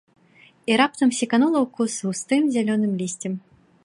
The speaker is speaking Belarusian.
І раптам секанула ў куст з густым зялёным лісцем.